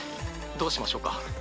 どうしましょうか？